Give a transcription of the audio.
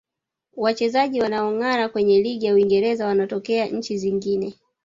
wachezaji wanaongara kwenye ligi ya uingereza wanatokea nchi zingne